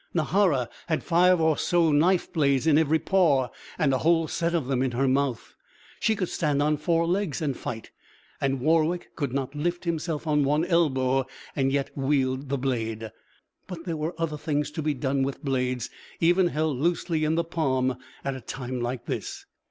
Nahara had five or so knife blades in every paw and a whole set of them in her mouth. She could stand on four legs and fight, and Warwick could not lift himself on one elbow and yet wield the blade. But there were other things to be done with blades, even held loosely in the palm, at a time like this.